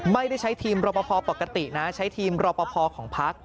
ไม่ได้ใช้ทีมรอปภปกตินะใช้ทีมรอปภของพัก